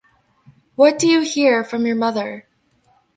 What do you hear from your mother?